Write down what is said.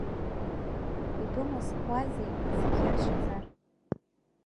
Ибымаскузеи, зегь иашазар?